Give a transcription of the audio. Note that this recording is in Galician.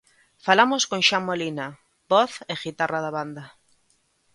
Falamos con Xan Molina, voz e guitarra da banda.